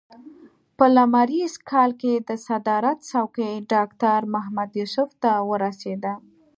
په لمریز کال کې د صدارت څوکۍ ډاکټر محمد یوسف ته ورسېده.